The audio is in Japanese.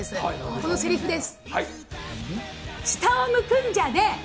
そのせりふです。